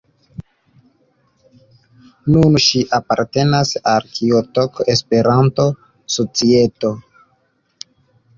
Nun ŝi apartenas al Kioto-Esperanto-Societo.